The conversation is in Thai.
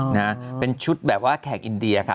นะเป็นชุดแบบว่าแขกอินเดียค่ะ